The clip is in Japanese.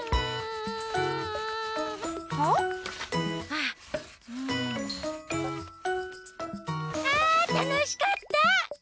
あたのしかった！